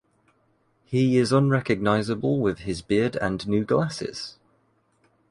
He is unrecognizable with his beard and new glasses.